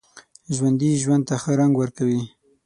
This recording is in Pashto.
ژوندي ژوند ته ښه رنګ ورکوي